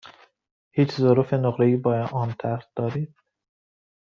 هیچ ظروف نقره ای با آن طرح دارید؟